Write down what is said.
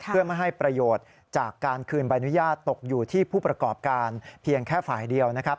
เพื่อไม่ให้ประโยชน์จากการคืนใบอนุญาตตกอยู่ที่ผู้ประกอบการเพียงแค่ฝ่ายเดียวนะครับ